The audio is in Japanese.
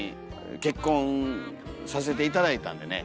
結婚させて頂いたんでね。